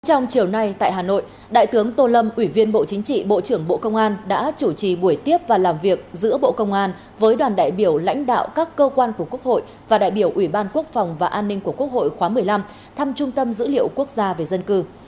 trong chiều nay tại hà nội đại tướng tô lâm ủy viên bộ chính trị bộ trưởng bộ công an đã chủ trì buổi tiếp và làm việc giữa bộ công an với đoàn đại biểu lãnh đạo các cơ quan của quốc hội và đại biểu ủy ban quốc phòng và an ninh của quốc hội khóa một mươi năm thăm trung tâm dữ liệu quốc gia về dân cư